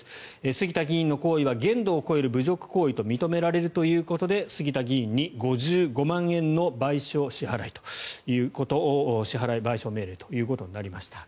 杉田議員の行為は限度を超える侮辱行為と認められるということで杉田議員に５５万円の支払い賠償命令ということになりました。